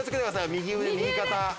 右腕右肩。